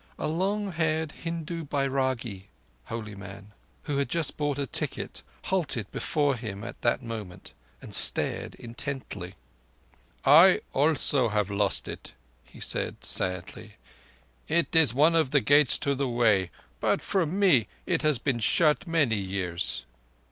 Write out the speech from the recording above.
A long haired Hindu bairagi (holy man), who had just bought a ticket, halted before him at that moment and stared intently. "I also have lost it," he said sadly. "It is one of the Gates to the Way, but for me it has been shut many years."